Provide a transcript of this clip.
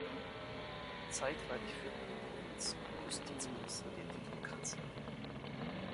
Zeitweilig führten die Provinz-Justizminister den Titel Kanzler.